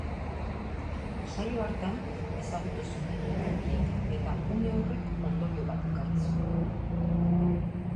Saio hartan ezagutu zuten elkar biek eta une horrek ondorio bat ekarri zuen.